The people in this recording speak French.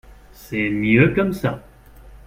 C’est mieux comme ça